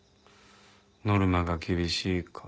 ノルマが厳しいか。